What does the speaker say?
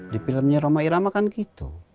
di filmnya roma irama kan gitu